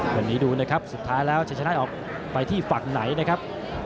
วันนี้ดูนะครับสุดท้ายแล้วจะชนะออกไปที่ฝั่งไหนนะครับ